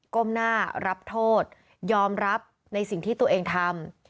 ก้มหน้ารับโทษยอมรับในสิ่งที่ตัวเองทำ